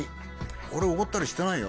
俺おごったりしてないよ